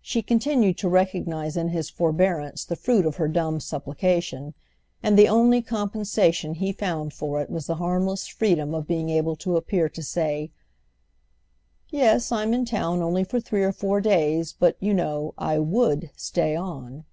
She continued to recognise in his forbearance the fruit of her dumb supplication, and the only compensation he found for it was the harmless freedom of being able to appear to say: "Yes, I'm in town only for three or four days, but, you know, I would stay on."